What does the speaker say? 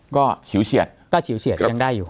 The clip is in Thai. ก็ฉิวเฉียดก็ฉิวเฉียดยังได้อยู่